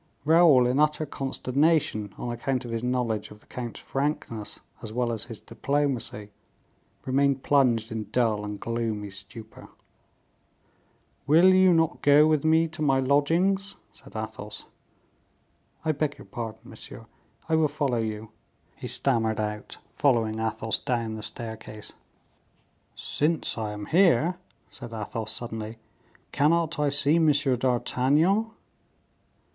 Raoul, in utter consternation, on account of his knowledge of the count's frankness as well as his diplomacy, remained plunged in dull and gloomy stupor. "Will you not go with me to my lodgings?" said Athos. "I beg your pardon, monsieur; I will follow you," he stammered out, following Athos down the staircase. "Since I am here," said Athos, suddenly, "cannot I see M. d'Artagnan?"